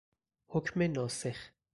حکم ناسخ